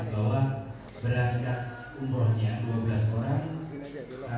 you guys sangbaseinfi cimenaa